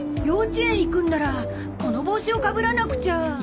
幼稚園行くんならこの帽子をかぶらなくちゃ。